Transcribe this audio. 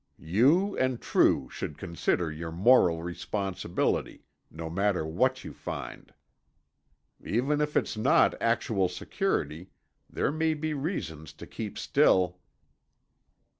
"You and True should consider your moral responsibility, no matter what you find. Even if it's not actual security, there may be reasons to keep still."